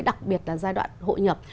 đặc biệt là giai đoạn hộ nhập